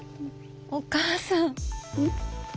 お母さん！